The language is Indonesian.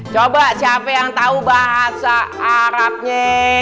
coba siapa yang tahu bahasa arabnya